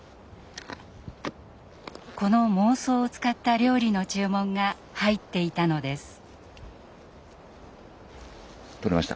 この孟宗を使った料理の注文が入っていたのです。